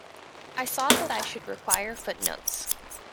I saw that I should require footnotes.